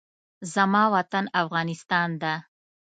زما وطن افغانستان ده